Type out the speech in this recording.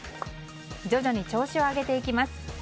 徐々に調子を上げていきます。